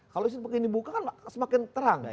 kalau di sini mungkin dibuka kan semakin terang